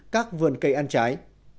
các vườn cây ăn trái